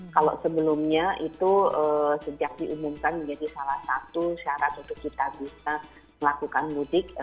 kalau sebelumnya itu sejak diumumkan menjadi salah satu syarat untuk kita bisa melakukan mudik